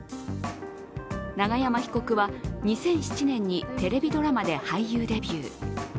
永山被告は、２００７年にテレビドラマで俳優デビュー。